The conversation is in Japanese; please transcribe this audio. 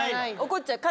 怒っちゃう。